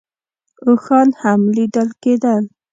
اوښان هم لیدل کېدل.